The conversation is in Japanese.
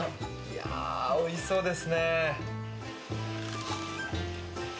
おいしそうですね。